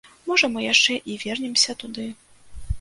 Можа, мы яшчэ і вернемся туды.